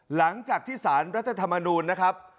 หลังจากที่สารรัฐธรรมนูลนะครับ